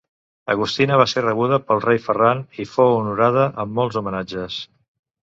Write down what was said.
Agustina va ser rebuda pel rei Ferran i fou honorada amb molts homenatges.